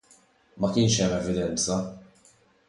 Ma kienx hemm evidenza.